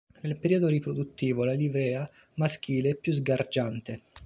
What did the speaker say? Nel periodo riproduttivo la livrea maschile è più sgargiante.